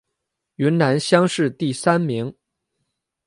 云南乡试第三名。